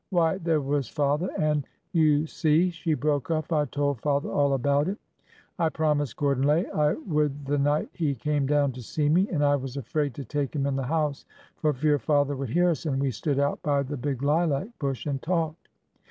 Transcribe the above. Why, there was father and — You see," she broke off, I told father all about it. I promised Gordon Lay I would the night he came down to see me and I was afraid to take him in the house for fear father would hear us, and we stood out by the big lilac bush and talked."